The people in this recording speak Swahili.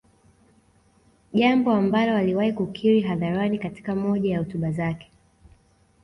Jambo ambalo aliwahi kukiri hadharani katika moja ya hotuba zake